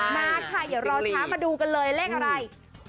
มาค่ะเดี๋ยวลองช้ามาดูกันเลยเลขอะไร